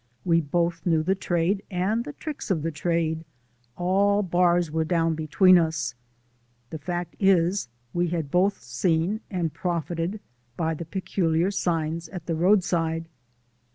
We both knew the trade and the tricks of the trade; all bars were down between us. The fact is, we had both seen and profited by the peculiar signs at the roadside.